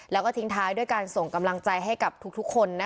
แล้วก็ทิ้งท้ายด้วยการส่งกำลังใจให้กับทุกคน